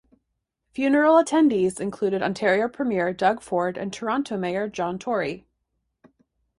Funeral attendees included Ontario Premier Doug Ford and Toronto Mayor John Tory.